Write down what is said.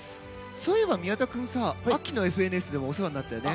そういえば、宮田君秋の「ＦＮＳ」でもお世話になったよね。